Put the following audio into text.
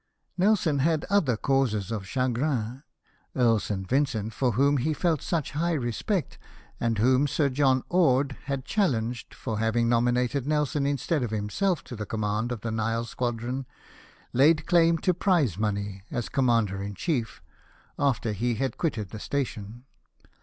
Nelson had other causes of chagrin. Earl St. Vincent, for whom he felt such high respect, and whom Sir John Orde had challenged, for having nominated Nelson instead of himself to the command of the Nile squadron, laid claim to prize money, as commander in chief, after he had quitted the station.